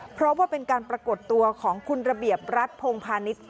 เพราะว่าเป็นการปรากฏตัวของคุณระเบียบรัฐพงพาณิชย์